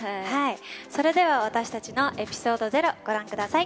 それでは私たちのエピソードゼロご覧ください。